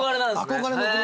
憧れの車。